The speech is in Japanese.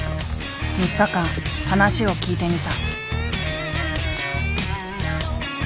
３日間話を聞いてみた。